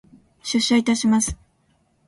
出社いたします。